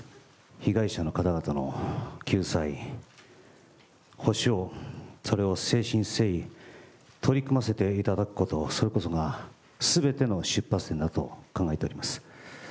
被害者の方々の救済、補償、それを誠心誠意取り組ませていただくこと、それこそがすべての出発点だと考えております。